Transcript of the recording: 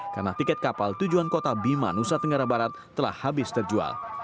karena tiket kapal tujuan kota bima nusa tenggara barat telah habis terjual